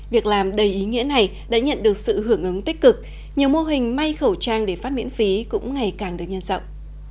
việc làm đầy ý nghĩa này đã nhận được sự hưởng ứng tích cực nhiều mô hình may khẩu trang để phát miễn phí cũng ngày càng được nhân rộng